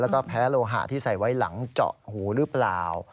แล้วก็แพ้โลหะที่ใส่ไว้หลังเจาะหูหรือเปล่า